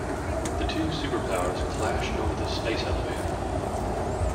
The two superpowers clash over the space elevator.